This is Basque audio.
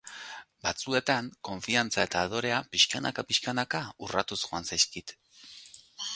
Batzuetan, konfiantza eta adorea pixkanaka-pixkanaka urratuz joan zaizkit